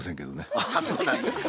あそうなんですか。